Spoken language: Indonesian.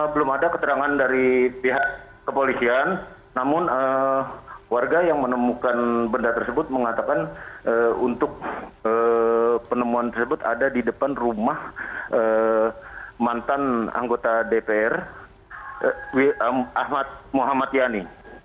belum ada keterangan dari pihak kepolisian namun warga yang menemukan benda tersebut mengatakan untuk penemuan tersebut ada di depan rumah mantan anggota dpr muhammad yani